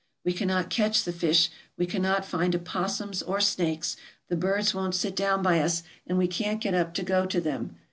We cannot catch the fish, we cannot find opossums or snakes, the birds won't sit down by us, and we can't get up to go to them.